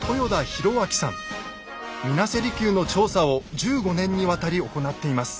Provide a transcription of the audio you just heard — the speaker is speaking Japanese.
水無瀬離宮の調査を１５年にわたり行っています。